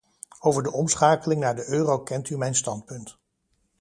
Over de omschakeling naar de euro kent u mijn standpunt.